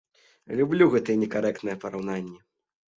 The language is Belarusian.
Люблю гэтыя некарэктныя параўнанні!